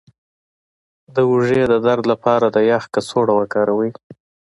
د اوږې د درد لپاره د یخ کڅوړه وکاروئ